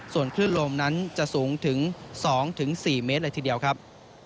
ส่วนคลื่นลมนั้นจะสูงถึง๒๔เมตรเลยทีเดียวครับ